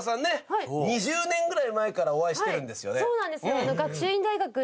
そうなんですよ。